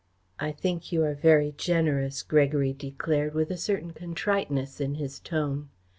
"I think you are very generous," Gregory declared, with a certain contriteness in his tone.